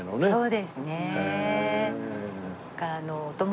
そうですね。